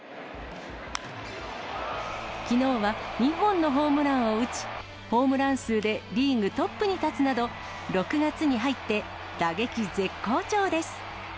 きのうは２本のホームランを打ち、ホームラン数でリーグトップに立つなど、６月に入って打撃絶好調です。